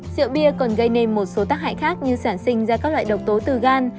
rượu bia còn gây nên một số tác hại khác như sản sinh ra các loại độc tố từ gan